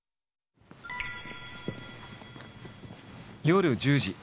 夜１０時。